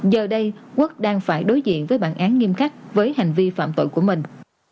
giờ đây quốc đang phải đối diện với bản án nghiêm khắc với hành vi phạm tội của mình